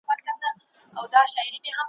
د خوشحال خټک په څېر لیونی نه یم